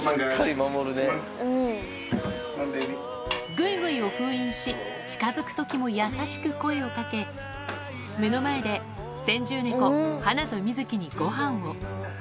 ぐいぐいを封印し、近づくときも優しく声をかけ、目の前で先住猫、ハナとミズキにごはんを。